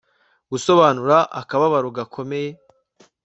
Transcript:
Gusobanura akababaro gakomeye